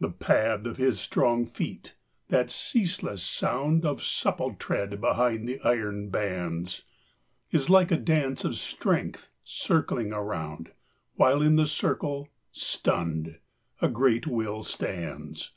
The pad of his strong feet, that ceaseless sound Of supple tread behind the iron bands, Is like a dance of strength circling around, While in the circle, stunned, a great will stands.